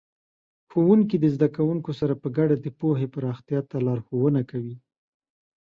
ښوونکي د زده کوونکو سره په ګډه د پوهې پراختیا ته لارښوونه کوي.